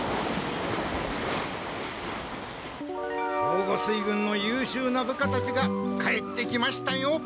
兵庫水軍のゆうしゅうな部下たちが帰ってきましたよ。